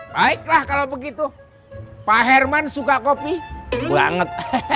baiklah kalau begitu pak herman suka kopi banget